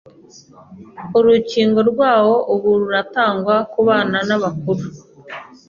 Urukingo rwawo ubu ruratangwa ku bana n’abakuru.